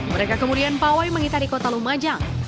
mereka kemudian pawai mengitari kota lumajang